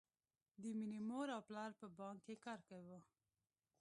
د مینې مور او پلار په بانک کې کار کاوه